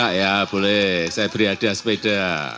ya boleh saya beri hadiah sepeda